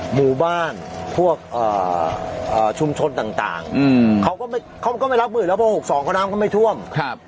หมู่บ้านพวกชุมชนต่างเขาก็ไม่รับมือแล้ว๖๒น้ำก็ไม่ท่วมครับ